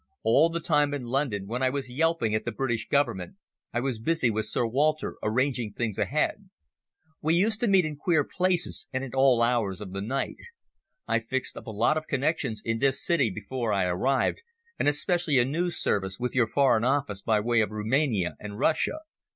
All the time in London when I was yelping at the British Government, I was busy with Sir Walter arranging things ahead. We used to meet in queer places and at all hours of the night. I fixed up a lot of connections in this city before I arrived, and especially a noos service with your Foreign Office by way of Rumania and Russia.